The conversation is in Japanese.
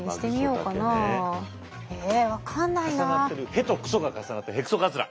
「ヘ」と「クソ」が重なってるヘクソカズラ。